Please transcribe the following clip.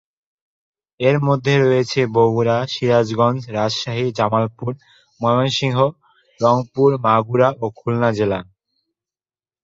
এরমধ্যে রয়েছে বগুড়া, সিরাজগঞ্জ, রাজশাহী, জামালপুর, ময়মনসিংহ, রংপুর, মাগুরা ও খুলনা জেলা।